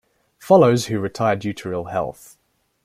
Follows who retired due to ill health.